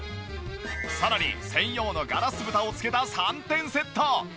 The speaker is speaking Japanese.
さらに専用のガラス蓋をつけた３点セット。